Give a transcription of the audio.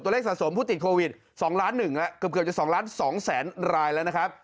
ตัวเลขสะสมผู้ติดโควิดสองล้านหนึ่งแล้วเกือบจะสองล้านสองแสนรายแล้วนะครับ